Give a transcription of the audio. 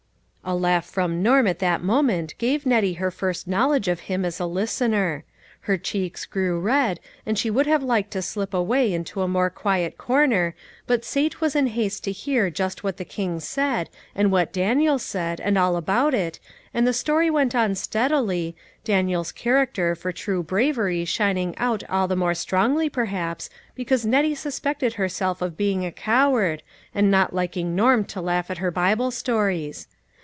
A laugh from Norm at that mo ment gave Nettie her first knowledge of him as a listener. Her cheeks grew red, and she would have liked to slip away into a more quiet corner but Sate was in haste to hear just what the king said, and what Daniel said, and all about it, and the story went on steadily, Daniel's character for true bravery shining out all the more strongly, perhaps, because Nettie suspected her self of being a coward, and not liking Norm to laugh at her Bible stories.